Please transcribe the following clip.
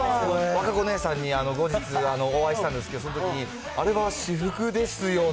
姉さんに後日お会いしたんですけど、そのときにあれは私服ですよね？